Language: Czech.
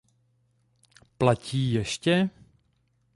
Platí ještě?